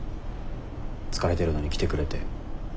疲れてるのに来てくれて。